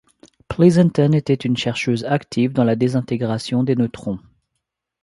Pleasonton était une chercheuse active dans la désintégration des neutrons.